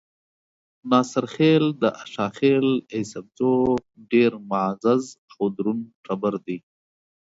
ناصرخېل د اشاخېل ايسپزو ډېر معزز او درون ټبر دے۔